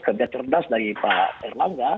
kerja cerdas dari pak erlangga